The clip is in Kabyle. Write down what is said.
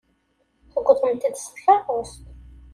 Tewwḍemt-d s tkeṛṛust.